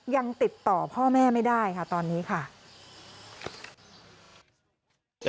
ยังติดต่อพ่อแม่ไม่ได้ค่ะตอนนี้ค่ะ